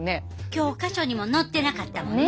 教科書にも載ってなかったもんね。